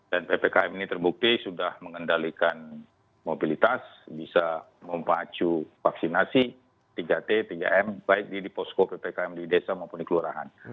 dan ppkm ini terbukti sudah mengendalikan mobilitas bisa memacu vaksinasi tiga t tiga m baik di di posko ppkm di desa maupun di kelurahan